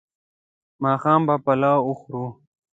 ماښام به پلاو وخورو